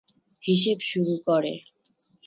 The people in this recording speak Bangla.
হিসেবে শুরু করে।